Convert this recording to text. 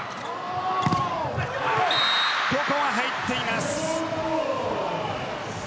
ここは入っています。